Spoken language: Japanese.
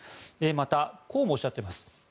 またこうもおっしゃっています。